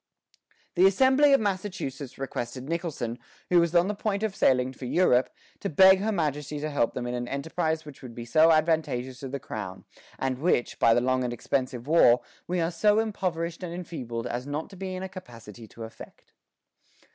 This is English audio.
The Assembly of Massachusetts requested Nicholson, who was on the point of sailing for Europe, to beg her Majesty to help them in an enterprise which would be so advantageous to the Crown, "and which, by the long and expensive war, we are so impoverished and enfeebled as not to be in a capacity to effect."